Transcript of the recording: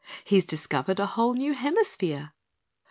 He's discovered a whole New Hemisphere!